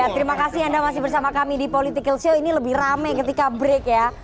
terima kasih anda masih bersama kami di political show ini lebih rame ketika break ya